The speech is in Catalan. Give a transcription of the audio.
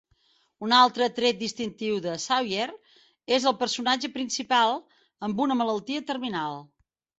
Un altre tret distintiu de Sawyer és el personatge principal amb una malaltia terminal.